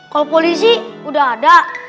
kalau polisi udah ada